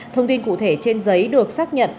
thông tin cụ thể trên giấy được xác nhận